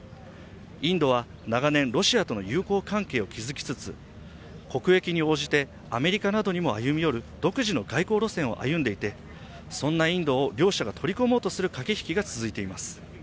インドは長年、ロシアとの友好関係を築きつつ国益に応じてアメリカなどにも歩み寄る独自の外交路線を歩んでいてそんなインドを両者が取り込もうとする駆け引きが続いています。